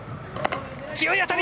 強い当たり！